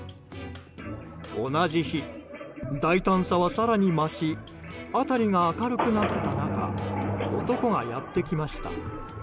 同じ日、大胆さは更に増し辺りが明るくなった中男がやってきました。